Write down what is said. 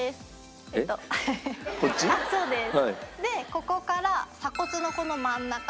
ここから鎖骨のこの真ん中。